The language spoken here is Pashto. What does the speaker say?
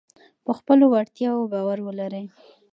په خپلو وړتیاوو باور ولرئ.